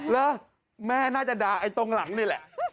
เหรอแม่น่าจะด่าไอ้ตรงหลังนี่แหละ